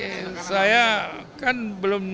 loh ini saya kan belum diajak